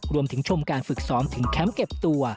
ชมการฝึกซ้อมถึงแคมป์เก็บตัว